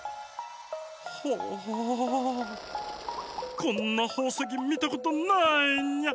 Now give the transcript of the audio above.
こんなほうせきみたことないニャ。